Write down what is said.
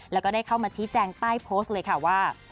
แล้วก็ได้เข้ามาชี้แจงใต้โพสต์เลยค่ะว่า